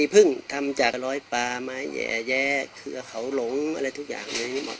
เพิ่งทำจากรอยปลาไม้แย่เครือเขาหลงอะไรทุกอย่างเลย